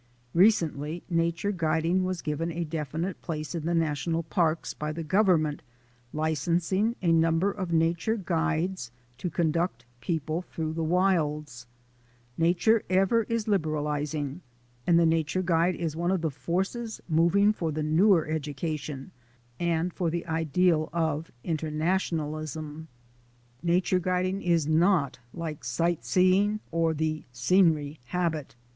Recently nature guiding was given a definite place in the national parks by the Government licensing a number of nature guides to conduct people i 9 4 THE ADVENTURES OF A NATURE GUIDE through the wilds. Nature ever is liberalizing, and the nature guide is one of the forces moving for the newer education and for the ideal of inter nationalism. Nature guiding is not like sight seeing or the scenery habit.